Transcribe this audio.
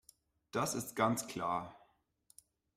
Das ist ganz klar.